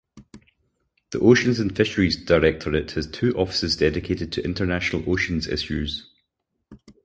The Oceans and Fisheries Directorate has two offices dedicated to international oceans issues.